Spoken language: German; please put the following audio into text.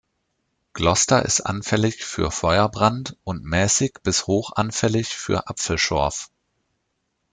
Gloster ist anfällig für Feuerbrand und mäßig bis hoch anfällig für Apfelschorf.